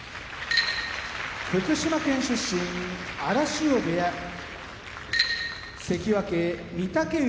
福島県出身荒汐部屋関脇・御嶽海